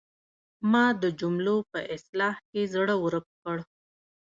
ما د جملو په اصلاح کې زړه ورک کړ.